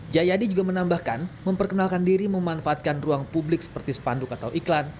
jayadi juga menambahkan memperkenalkan diri memanfaatkan ruang publik seperti sepanduk atau iklan